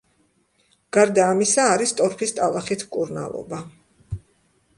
გარდა ამისა, არის ტორფის ტალახით მკურნალობა.